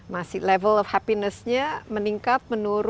masih level of happinessnya meningkat menurun